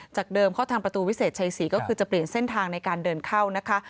เดิมเข้าทางประตูวิเศษชัยศรีก็คือจะเปลี่ยนเส้นทางในการเดินเข้านะคะ